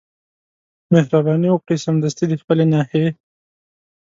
مهرباني وکړئ سمدستي د خپلي ناحيې